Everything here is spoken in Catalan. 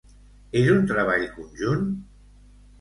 És un treball conjunt?